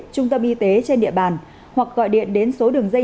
trung tâm y tế trên địa bàn hoặc gọi điện đến số đường dây